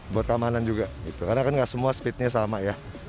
buat keamanan juga karena kan gak semua speednya sama ya